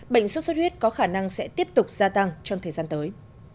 bệnh sốt xuất huyết có khả năng sẽ tiếp tục gia tăng trong thời gian tới